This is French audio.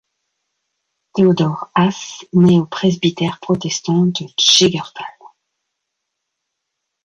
Théodore Haas naît au presbytère protestant de Jaegerthal.